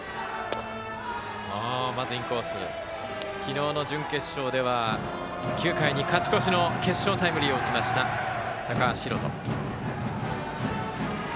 昨日の準決勝では９回に勝ち越しの決勝タイムリーを打ちました高橋海翔。